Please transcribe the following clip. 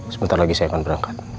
sebentar lagi saya akan berangkat